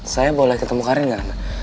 saya boleh ketemu karin gak